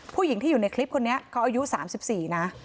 ผู้หญิงที่อยู่ในคลิปคนนี้เขาอายุ๓๔นะ